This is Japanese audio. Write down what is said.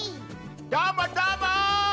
どーもどーも！